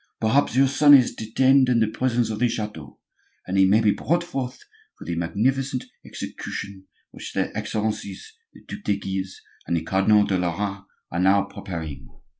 Perhaps your son is detained in the prisons of the chateau, and he may be brought forth for the magnificent execution which their Excellencies the Duc de Guise and the Cardinal de Lorraine are now preparing.